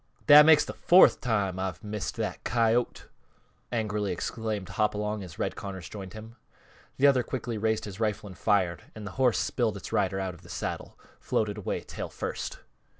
"That makes th' fourth time I've missed that coyote!" angrily exclaimed Hopalong as Red Connors joined him. The other quickly raised his rifle and fired; and the horse, spilling its rider out of the saddle, floated away tail first.